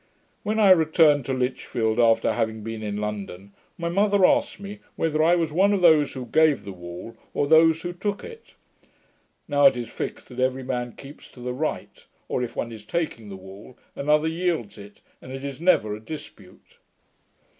When I returned to Lichfield, after having been in London, my mother asked me, whether I was one of those who gave the wall, or those who took it. Now, it is fixed that every man keeps to the right; or, if one is taking the wall, another yields it, and it is never a dispute.'